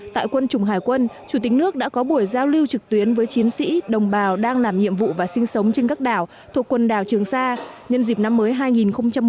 tại quân chủng hải quân chủ tịch nước đã có buổi giao lưu trực tuyến với chiến sĩ đồng bào đang làm nhiệm vụ và sinh sống trên các đảo thuộc quần đảo trường sa nhân dịp năm mới hai nghìn một mươi chín